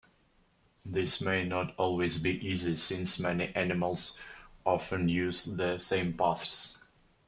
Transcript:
This may not always be easy, since many animals often use the same paths.